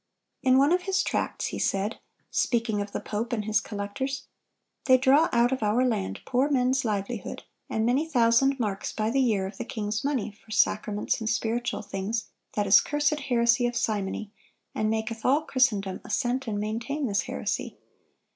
In one of his tracts he said, speaking of the pope and his collectors: "They draw out of our land poor men's livelihood, and many thousand marks, by the year, of the king's money, for sacraments and spiritual things, that is cursed heresy of simony, and maketh all Christendom assent and maintain this heresy.